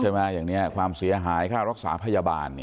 อย่างนี้ความเสียหายค่ารักษาพยาบาล